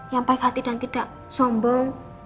yang baik hati dan tidak sombong